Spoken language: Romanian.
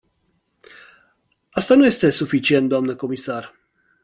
Asta nu este suficient, doamnă comisar.